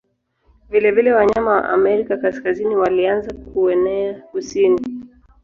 Vilevile wanyama wa Amerika Kaskazini walianza kuenea kusini.